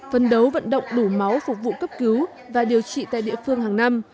phân đấu vận động đủ máu phục vụ cấp cứu và điều trị tại địa phương hàng năm